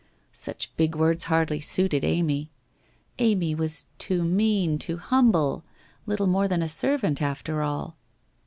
Such big words hardly suited Amy. Amy was too mean, too humble, little more than a servant after all.